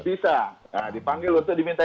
bisa dipanggil untuk diminta